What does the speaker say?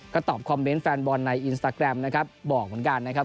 ก็ตอบคอมเมนต์แฟนบอลในอินสตาแกรมนะครับบอกเหมือนกันนะครับ